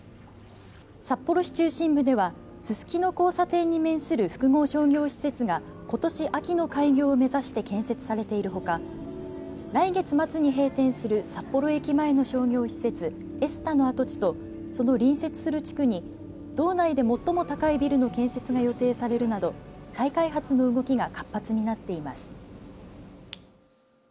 札幌市中心部ではすすきの交差点に面する複合商業説が、ことし秋の開業を目指して建設されているほか毎月末に閉店する札幌駅前の商業施設エスタの跡地とその隣接する地区に道内で最も高いビルの建設が予定されるなど再開発の動きが活発になっています。